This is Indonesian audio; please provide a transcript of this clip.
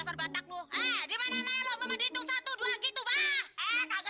sampai jumpa di video selanjutnya